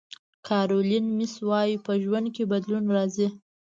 کارولین میس وایي په ژوند کې بدلون راځي.